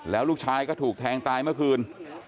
แล้วลูกชายก็ถูกแทงตายเมื่อคืน